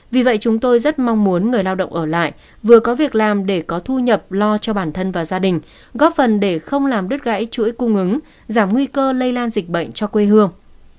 vì vậy chúng tôi rất mong muốn người lao động ở lại vừa có việc làm để có thu nhập lo cho bản thân và gia đình góp phần để không làm đứt gãy chuỗi cung ứng giảm nguy cơ lây lan dịch bệnh cho quê hương